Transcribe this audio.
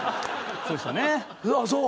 そうでしたね。